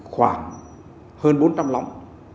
khoảng hơn bốn trăm linh lóng